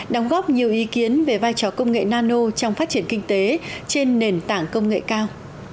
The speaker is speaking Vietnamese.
đóng góp nhiều ý kiến về vai trò công nghệ nano trong phát triển kinh tế trên nền tảng công nghệ cao